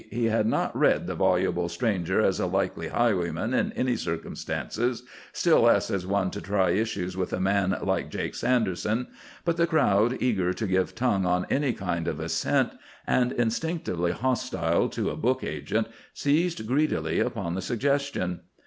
He had not read the voluble stranger as a likely highwayman in any circumstances, still less as one to try issues with a man like Jake Sanderson. But the crowd, eager to give tongue on any kind of a scent, and instinctively hostile to a book agent, seized greedily upon the suggestion.